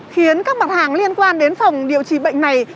khiến các mặt hàng liên quan đến phòng điều trị bệnh này